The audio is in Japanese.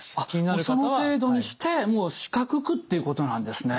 あっもうその程度にしてもう四角くっていうことなんですね。